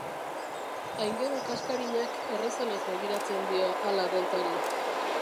Aingeru kaskarinak errezeloz begiratzen dio ala deltari.